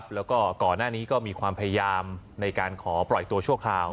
แล้วก็ก่อนหน้านี้ก็มีความพยายามในการขอปล่อยตัวชั่วคราว